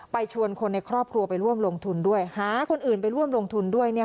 ชวนคนในครอบครัวไปร่วมลงทุนด้วยหาคนอื่นไปร่วมลงทุนด้วยเนี่ย